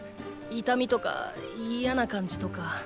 痛みとか嫌な感じとか。